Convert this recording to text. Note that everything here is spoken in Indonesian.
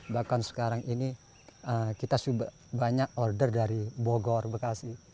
bahkan sekarang ini kita banyak order dari bogor bekasi